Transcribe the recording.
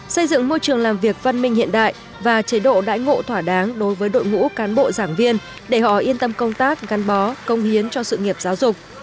xây dựng môi trường làm việc văn minh hiện đại và chế độ đại ngộ thỏa đáng đối với đội ngũ cán bộ giảng viên để họ yên tâm công tác gắn bó công hiến cho sự nghiệp giáo dục